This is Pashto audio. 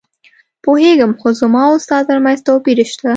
پوهېږم، خو زما او ستا ترمنځ توپیر شته.